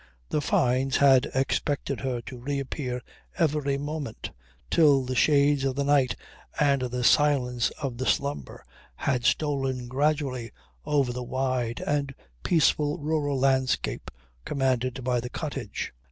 The Fynes had expected her to reappear every moment, till the shades of the night and the silence of slumber had stolen gradually over the wide and peaceful rural landscape commanded by the cottage.